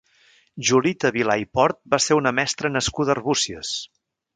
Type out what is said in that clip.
Julita Vilà i Port va ser una mestra nascuda a Arbúcies.